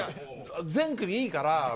全組がいいから。